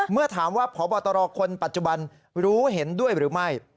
เมื่อถามว่าพบตรคนปัจจุบันรู้เห็นด้วยหรือไม่